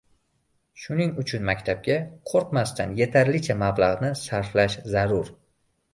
Shuning uchun maktabga qoʻrqmasdan yetarlicha mablagʻni sarflash zarur